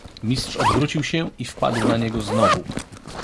"Mistrz odwrócił się i wpadł na niego znowu."